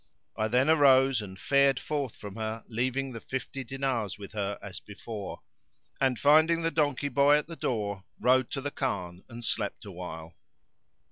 I then arose and fared forth from her leaving the fifty dinars with her as before; and, finding the donkey boy at the door, rode to the Khan and slept awhile.